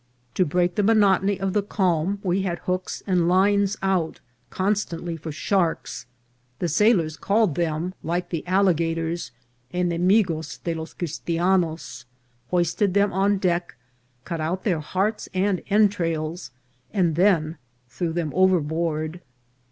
To break the monotony of the calm, we had hooks and lines out constantly for sharks ; the sailors called them, like the alligators, ennemigos de los Christianos, hoisted them on deck, cut out their hearts and entrails, and then threw them overboard.